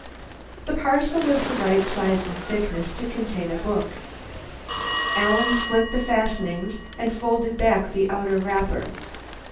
The parcel was the right size and thickness to contain a book. Alan slit the fastenings, and folded back the outer wrapper.